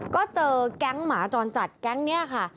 ก็เจอแก๊งหมาจรจัดแก๊งนี้ค่ะ